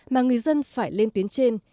mà người dân phải lên tuyến trên